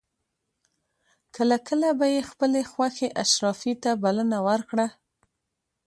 کله کله به یې خپلې خوښې اشرافي ته بلنه ورکړه.